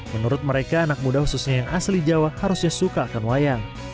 menurut mereka anak muda khususnya yang asli jawa harusnya suka akan wayang